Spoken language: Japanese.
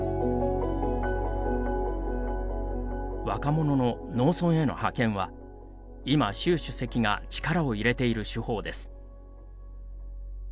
若者の農村への派遣は今、習主席が力を入れている手法です。